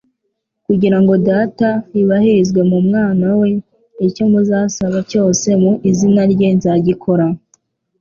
kugira ngo Data yubahirizwe mu Mwana we. Icyo muzasaba cyose mu izina ryanjye nzagikora. »